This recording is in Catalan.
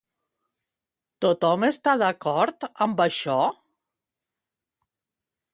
Tothom està d'acord amb això?